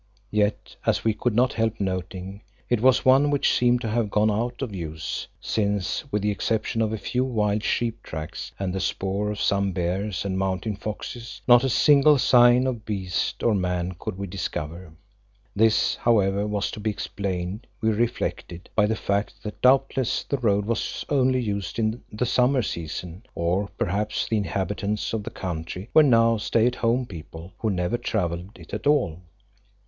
Yet, as we could not help noting, it was one which seemed to have gone out of use, since with the exception of a few wild sheep tracks and the spoor of some bears and mountain foxes, not a single sign of beast or man could we discover. This, however, was to be explained, we reflected, by the fact that doubtless the road was only used in the summer season. Or perhaps the inhabitants of the country were now stay at home people who never travelled it at all.